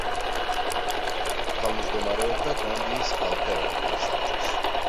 თავჯდომარეობდა გამბიის ქალთა ეროვნულ საბჭოს.